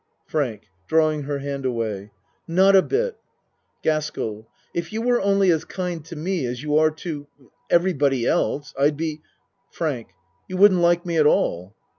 FRANK (Drawing her hand away.) Not a bit. GASKELL If you were only as kind to me as you are to everybody else I'd be FRANK You wouldn't like me at all.